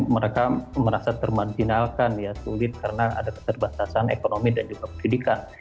mereka merasa termajinalkan ya sulit karena ada keterbatasan ekonomi dan juga pendidikan